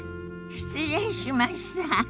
失礼しました。